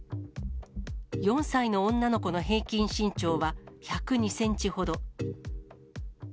４歳の女の子の平均身長は１０２センチほど。